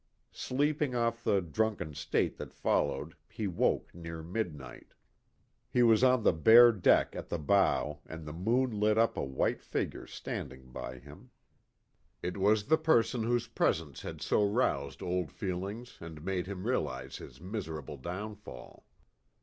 Sleeping off the drunken state that followed THE "DECK HAND." 17 he woke near midnight. He was on the bare deck at the bow and the moon lit up a white figure standing by him. It was the person whose presence had so roused old feelings and made him realize his miserable downfall.